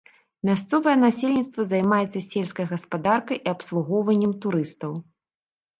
Мясцовае насельніцтва займаецца сельскай гаспадаркай і абслугоўваннем турыстаў.